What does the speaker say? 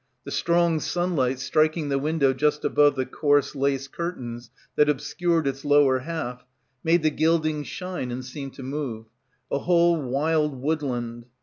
The strong sunlight striking the window just above the coarse lace curtains that obscured its lower half, made the gilding shine and seem to move — a whole wild woodland.